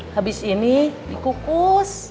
habis ini dikukus